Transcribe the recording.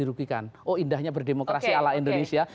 dirugikan oh indahnya berdemokrasi ala indonesia